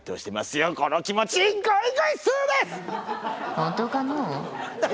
本当かのう？